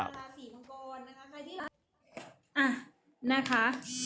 อ่ะนะคะ